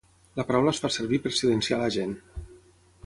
La paraula es fa servir per silenciar a la gent.